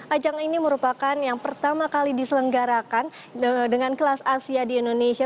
ajang ini merupakan yang pertama kali diselenggarakan dengan kelas asia di indonesia